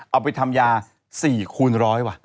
เอาไปทำยา๔คูณร้อยว่ะ